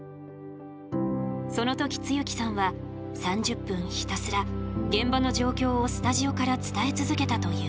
そのとき露木さんは３０分ひたすら現場の状況をスタジオから伝え続けたという。